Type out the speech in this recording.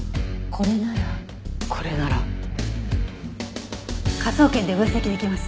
「これなら」？科捜研で分析できます。